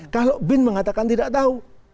kalau bin mengatakan tidak tahu